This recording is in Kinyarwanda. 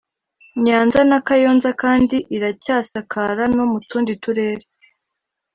Nyanza na Kayonza kandi iracyasakara no mu tundi turere